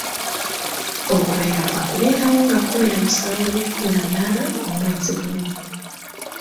Okulayira kwa kubeerawo nga kkumi na musanvu ne kkumi na munaana omwezi guno.